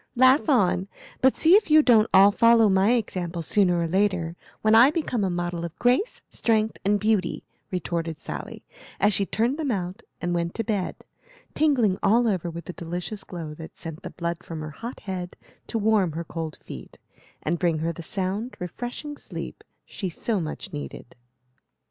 "Laugh on, but see if you don't all follow my example sooner or later, when I become a model of grace, strength, and beauty," retorted Sally, as she turned them out and went to bed, tingling all over with a delicious glow that sent the blood from her hot head to warm her cold feet, and bring her the sound, refreshing sleep she so much needed.